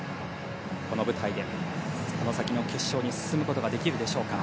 この舞台でこの先の決勝に進むことができるでしょうか。